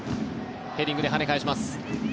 ヘディングで跳ね返します。